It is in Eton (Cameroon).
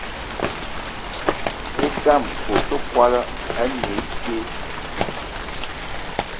E'dam ote kwolo ene too